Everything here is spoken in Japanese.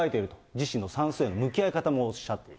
自身の算数の向き合い方もおっしゃってる。